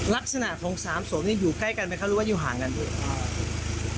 ลักษณะของสามศพนี่อยู่ใกล้กันไหมคะหรือว่าอยู่ห่างกันด้วย